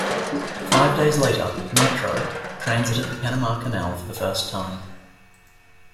Five days later "Nitro" transited the Panama Canal for the first time.